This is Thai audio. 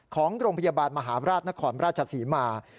ของโรงพยาบาลมหาราชนครราชศรีมา